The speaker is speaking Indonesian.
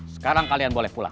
sekarang kalian boleh pulang